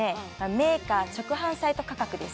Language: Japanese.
メーカー直販サイト価格です